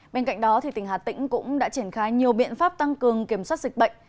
bên cạnh đó tỉnh hà tĩnh cũng đã triển khai nhiều biện pháp tăng cường kiểm soát dịch bệnh